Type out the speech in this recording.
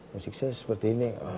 musik saya seperti ini ya